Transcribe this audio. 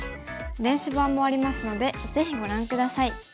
電子版もありますのでぜひご覧下さい。